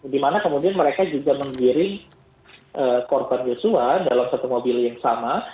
di mana kemudian mereka juga mengirim korban yusua dalam satu mobil yang sama